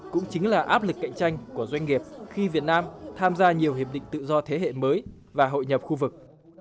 cũng chính là áp lực cạnh tranh của doanh nghiệp khi việt nam tham gia nhiều hiệp định tự do thế hệ mới và hội nhập khu vực